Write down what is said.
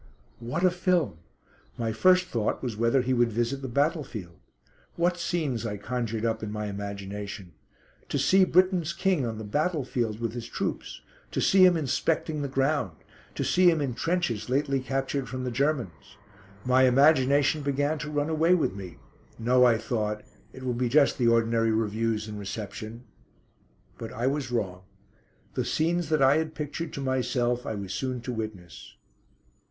What a film! My first thought was whether he would visit the battlefield. What scenes I conjured up in my imagination. To see Britain's King on the battlefield with his troops; to see him inspecting the ground; to see him in trenches lately captured from the Germans. My imagination began to run away with me. No, I thought, it will be just the ordinary reviews and reception. But I was wrong. The scenes that I had pictured to myself I was soon to witness.